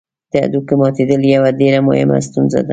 د هډوکي ماتېدل یوه ډېره مهمه ستونزه ده.